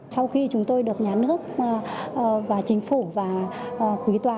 sau khi chúng tôi được nhà nước và chính phủ và quý tòa